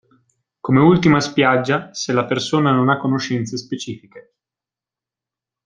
Come ultima spiaggia se la persona non ha conoscenze specifiche.